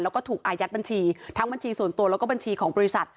แล้วก็ถูกอายัดบัญชีทั้งบัญชีส่วนตัวแล้วก็บัญชีของบริษัท